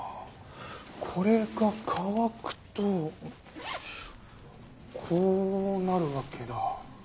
これが乾くとこうなるわけだ。